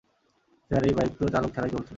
Sir, এই bike তো চালক ছাড়াই চলছে!